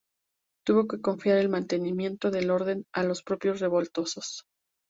Tuvo que confiar el mantenimiento del orden a los propios revoltosos.